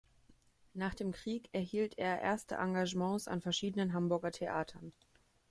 Nach dem Krieg erhielt er erste Engagements an verschiedenen Hamburger Theatern.